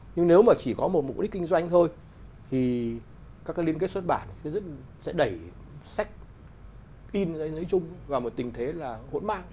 nhưng nếu mà chỉ có một mục đích kinh doanh thôi thì các liên kết xuất bản sẽ đẩy sách in đến nơi chung vào một tình thế hỗn mát